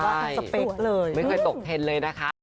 ก็ทำสเปคเลยไม่ค่อยตกเท็นเลยนะครับ